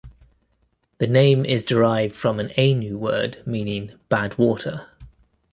The name is derived from an Ainu word meaning "Bad Water".